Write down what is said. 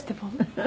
「フフ。